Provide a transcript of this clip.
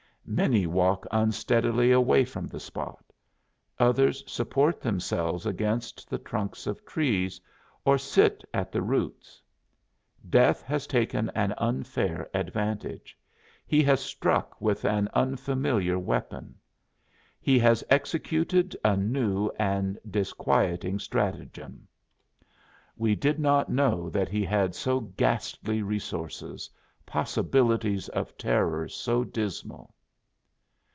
Many walk unsteadily away from the spot; others support themselves against the trunks of trees or sit at the roots. Death has taken an unfair advantage; he has struck with an unfamiliar weapon; he has executed a new and disquieting stratagem. We did not know that he had so ghastly resources, possibilities of terror so dismal.